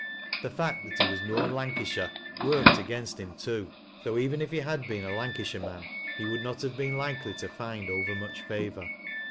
The fact that he was " noan Lancashire " worked against him too, though even if he had been a Lancashire man, he would not have been hkely to find over much favor.